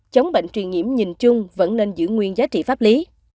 chống bệnh truyền nhiễm nhìn chung vẫn nên giữ nguyên giá trị pháp lý